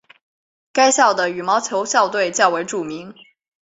该校的羽毛球校队较为著名。